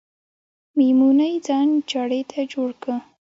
میمونۍ ځان چړې ته جوړ که